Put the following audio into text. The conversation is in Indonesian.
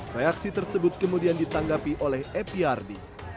reaksi tersebut kemudian ditanggapi oleh aprd